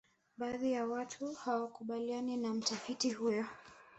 baadhi ya watu hawakubaliana na mtafiti huyo